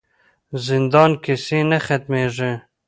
زندان کیسې نه ختموي.